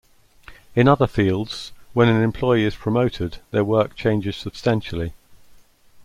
In other fields, when an employee is promoted, their work changes substantially.